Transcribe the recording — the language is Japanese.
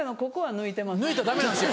抜いたらダメなんですよ。